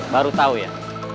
baru tahu ya